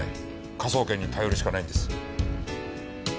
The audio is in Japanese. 科捜研に頼るしかないんです。